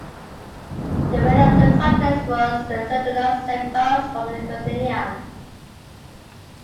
The winner of the contest was Zydrunas Savickas from Lithuania.